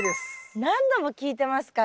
何度も聞いてますから。